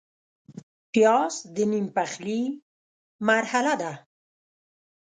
پیاز د نیم پخلي مرحله ده